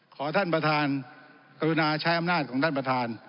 ขอท่านประธานกรุณาใช้อำนาจของท่านประธาน